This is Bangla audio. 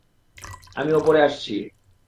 আমি ওপরে আসছি।